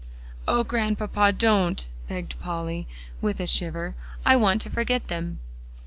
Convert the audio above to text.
"Oh, Grandpapa, don't!" begged Polly, with a shiver; "I want to forget them."